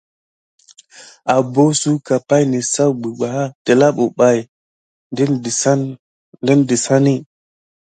Abok suka pay nasaku ɓebawa telà bebaki dena desane.